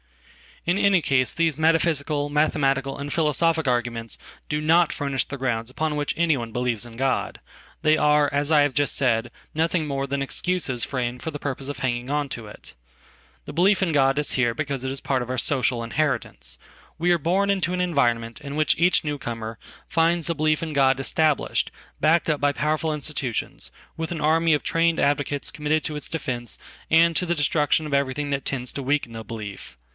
In any case these metaphysical, mathematical, and philosophic arguments do not furnish the groundsupon which anyone believes in God. They are, as I have just said, nothing more than excuses framed for the purpose of hanging on toit. The belief in God is here because it is part of our socialinheritance. We are born into an environment in which each newcomerfinds the belief in God established, backed up by powerfulinstitutions, with an army of trained advocates committed to itsdefence and to the destruction of everything that tends to weakenthe belief.